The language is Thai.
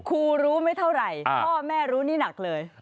ครูรู้ไม่เท่าไหร่พ่อแม่รู้นี่หนักเลย